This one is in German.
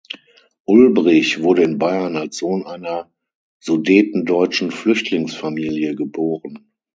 Ulbrich wurde in Bayern als Sohn einer sudetendeutschen Flüchtlingsfamilie geboren.